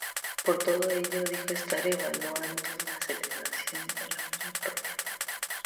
Por todo ello, dijo estar evaluando la celebración de una feria propia.